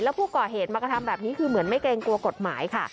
ผู้ก่อเหตุมากระทำแบบนี้คือเหมือนไม่เกรงกลัวกฎหมายค่ะ